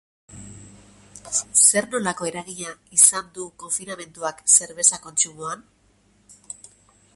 Zer-nolako eragina izan du konfinamenduak zerbeza kontsumoan?